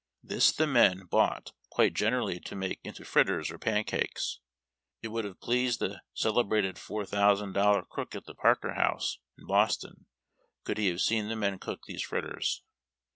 This the men bought quite generally to make into fritters or pancakes. It would have pleased the cele brated four thousand dollar cook at the Parker House, in Boston, could he have seen the men cook these fritters.